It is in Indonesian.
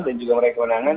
dan juga mereka kemenangan